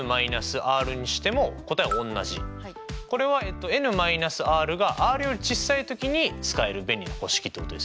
これはｎ−ｒがｒより小さい時に使える便利な公式ってことですよね。